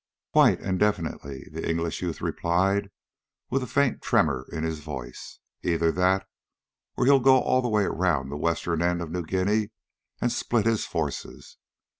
"Quite, and definitely!" the English youth replied with a faint tremor in his voice. "Either that, or he'll go all the way around the western end of New Guinea, and split his forces.